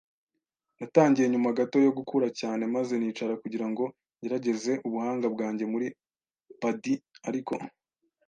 Natangiye nyuma gato yo gukura cyane maze nicara kugirango ngerageze ubuhanga bwanjye muri padi. Ariko